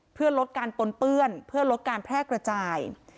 เพื่อลดการปนเปื้อนเพื่อลดการแพร่กระจาย